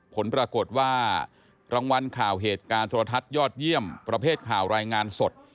ผลปรากฏว่ารางวัลข่าวเหตุการณ์โทรทัศน์ยอดเยี่ยมประเภทข่าวรายงานสด